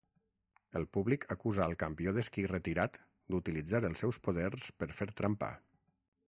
El públic acusa al campió d'esquí retirat d'utilitzar el seus poders per fer trampa.